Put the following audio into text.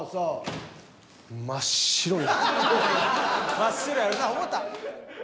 真っ白やろな思た。